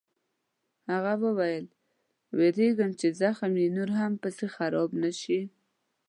هغه وویل: وېرېږم چې زخم یې نور هم پسې خراب نه شي.